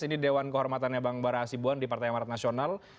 ini dewan kehormatannya bang bara asibuan di partai amarat nasional